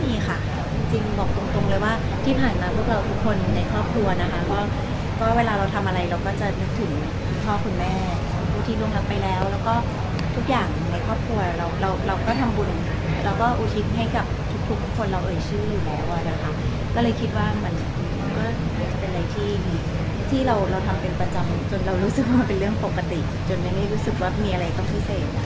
มีค่ะจริงบอกตรงเลยว่าที่ผ่านมาพวกเราทุกคนในครอบครัวนะคะก็เวลาเราทำอะไรเราก็จะนึกถึงคุณพ่อคุณแม่ไปแล้วแล้วก็ทุกอย่างในครอบครัวเราเราก็ทำบุญเราก็อุทิศให้กับทุกทุกคนเราเอ่ยชื่ออยู่แล้วอะนะคะก็เลยคิดว่ามันก็จะเป็นอะไรที่เราทำเป็นประจำจนเรารู้สึกว่ามันเป็นเรื่องปกติจนยังไม่รู้สึกว่ามีอะไรต้องพิเศษ